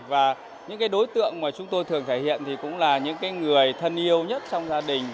và những đối tượng mà chúng tôi thường thể hiện thì cũng là những người thân yêu nhất trong gia đình